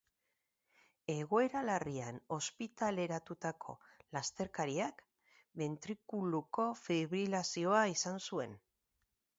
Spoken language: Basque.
Egoera larrian ospitaleratutako lasterkariak bentrikuluko fibrilazioa izan zuen.